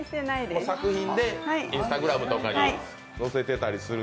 作品でＩｎｓｔａｇｒａｍとかに載せてたりすると。